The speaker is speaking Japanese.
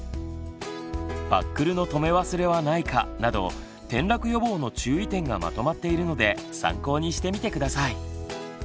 「バックルの留め忘れはないか」など転落予防の注意点がまとまっているので参考にしてみて下さい。